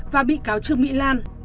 và bị cáo trương mỹ lan